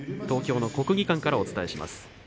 東京の国技館からお伝えします。